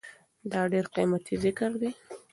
دا ډير قيمتي ذکر دی